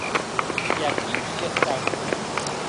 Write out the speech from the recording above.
E aquiu s'i estan.